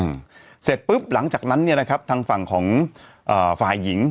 อืมเสร็จปุ๊บหลังจากนั้นเนี้ยนะครับทางฝั่งของเอ่อฝ่ายหญิง